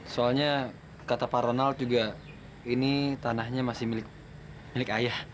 soalnya kata pak ronald juga ini tanahnya masih milik ayah